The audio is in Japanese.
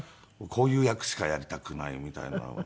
こういう役しかやりたくないみたいなの。